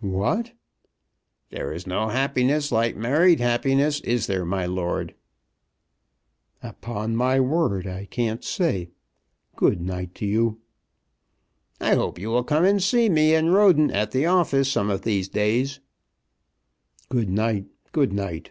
"What!" "There's no happiness like married happiness; is there, my lord?" "Upon my word, I can't say. Good night to you." "I hope you will come and see me and Roden at the office some of these days." "Good night, good night!"